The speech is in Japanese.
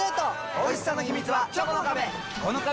おいしさの秘密はチョコの壁！